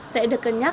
sẽ được cân nhận